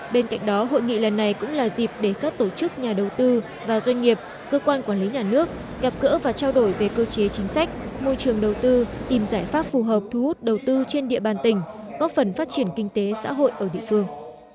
bên cạnh đó hội nghị lần này cũng là dịp để các tổ chức nhà đầu tư và doanh nghiệp cơ quan quản lý nhà nước gặp gỡ và trao đổi về cơ chế chính sách môi trường đầu tư tìm giải pháp phù hợp thu hút đầu tư trên địa bàn tỉnh góp phần phát triển kinh tế xã hội ở địa phương